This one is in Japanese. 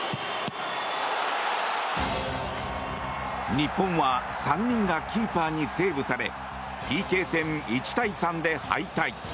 日本は３人がキーパーにセーブされＰＫ戦１対３で敗退。